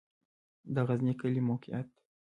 د غزنی کلی موقعیت